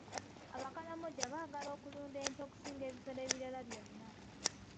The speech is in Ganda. Abakalamojja baagala okulunda nte okusinga ebisolo ebirala byonna.